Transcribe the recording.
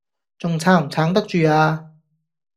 仲撐唔撐得住呀